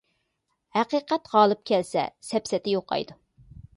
ھەقىقەت غالىب كەلسە سەپسەتە يوقايدۇ.